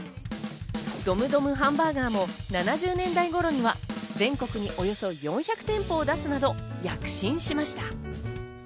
ドムドムハンバーガーも７０年代頃には、全国におよそ４００店舗を出すなど、躍進しました。